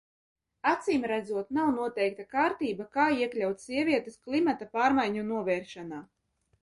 Acīmredzot nav noteikta kārtība, kā iekļaut sievietes klimata pārmaiņu novēršanā.